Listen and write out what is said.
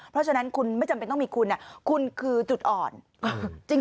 เพราะฉะนั้นคุณไม่จำเป็นต้องมีคุณคุณคือจุดอ่อน